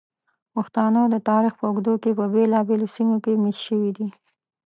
پښتانه د تاریخ په اوږدو کې په بېلابېلو سیمو کې میشت شوي دي.